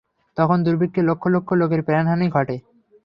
তখন দুর্ভিক্ষে লক্ষ-লক্ষ লোকের প্রাণহানি ঘটে।